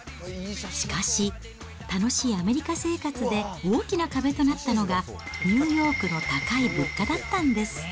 しかし、楽しいアメリカ生活で大きな壁となったのが、ニューヨークの高い物価だったんです。